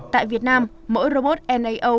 tại việt nam mỗi robot nao